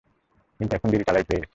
কিন্তু এখন ডিজিটালাইজড হয়ে গেছে।